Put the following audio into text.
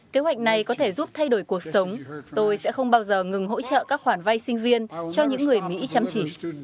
kế hoạch này có thể giúp thay đổi cuộc sống tôi sẽ không bao giờ ngừng hỗ trợ các khoản vay sinh viên cho những người mỹ chăm chỉ